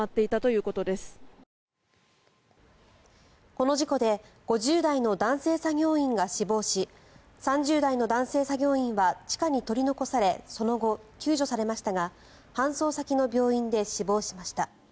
この事故で５０代の男性作業員が死亡し３０代の男性作業員は地下に取り残されその後、救助されましたが搬送先の病院で死亡しました。